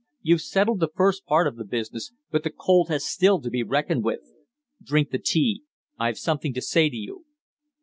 You've settled the first part of the business, but the cold has still to be reckoned with. Drink the tea. I've something to say to you."